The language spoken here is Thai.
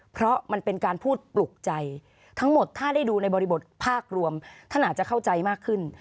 เพราะมันเป็นการพูดปลุกใจทั้งหมดถ้าได้ดูในบริบทภาครวมท่านอาจจะเข้าใจมากขึ้น